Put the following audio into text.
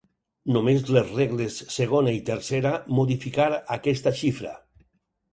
Només les regles segona i tercera modificar aquesta xifra.